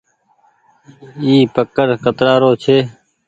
اي پڪڙ ڪترآ رو ڇي۔